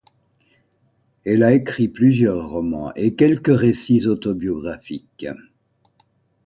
Elle a écrit plusieurs romans et quelques récits autobiographiques.